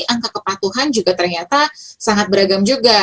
angka kepatuhan juga ternyata sangat beragam juga